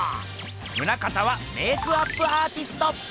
棟方はメークアップアーティスト！